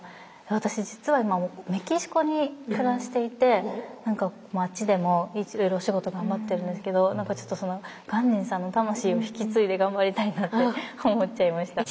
私実は今メキシコに暮らしていてあっちでもお仕事頑張ってるんですけど何かちょっと鑑真さんの魂を引き継いで頑張りたいなって思っちゃいました。